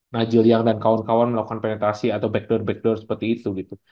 najil young dan kawan kawan melakukan penetrasi atau backdoor backdoor seperti itu gitu